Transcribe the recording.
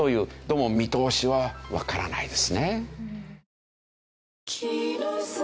どうも見通しはわからないですね。